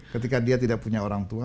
ketika dia tidak punya orang tua